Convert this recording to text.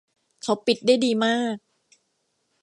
เขาปิดได้ดีมาก